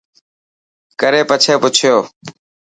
ڪري پڇي پڇيو .